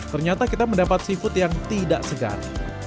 ternyata kita mendapat seafood yang tidak segar